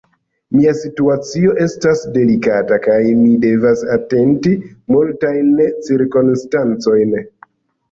Mia situacio estas delikata, kaj mi devas atenti multajn cirkonstancojn.